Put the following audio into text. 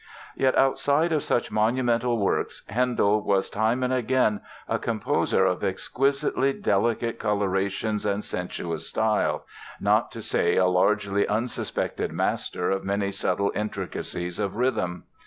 Yet outside of such monumental works, Handel was time and again a composer of exquisitely delicate colorations, and sensuous style, not to say a largely unsuspected master of many subtle intricacies of rhythm.